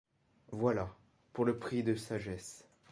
Voilà, pour le prix de sagesse